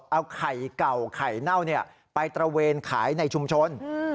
เอาไข่เก่าไข่เน่าไปตระเวนขายในชุมชน